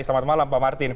selamat malam pak martin